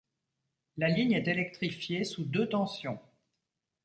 La ligne est électrifiée sous deux tensions.